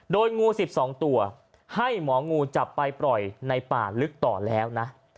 โดยงู๑๒ตัวให้หมองูจับไปปล่อยในป่าลึกต่อแล้วนะ